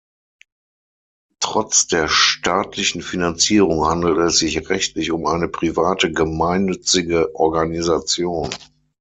Trotz der staatlichen Finanzierung handelt es sich rechtlich um eine private, gemeinnützige Organisation.